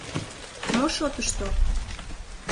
— Мо шотышто?